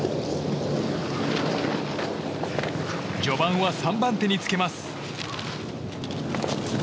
序盤は３番手につけます。